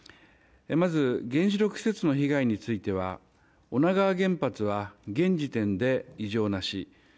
まず原子力施設の被害については女川原発は現時点で異常なし。